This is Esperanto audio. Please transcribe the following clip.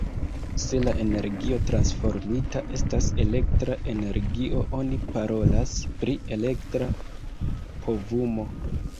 Se la energio transformita estas elektra energio oni parolas pri elektra povumo.